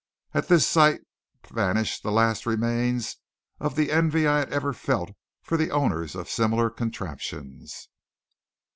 At this sight vanished the last remains of the envy I had ever felt for the owners of similar contraptions.